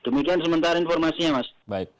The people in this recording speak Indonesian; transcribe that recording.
demikian sementara informasinya mas